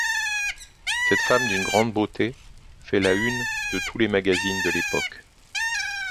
Cette femme d'une grande beauté fait la une de tous les magazines de l'époque.